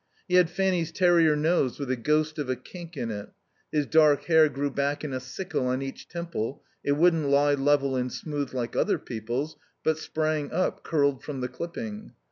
He had Fanny's terrier nose with the ghost of a kink in it; his dark hair grew back in a sickle on each temple; it wouldn't lie level and smooth like other people's, but sprang up, curled from the clipping.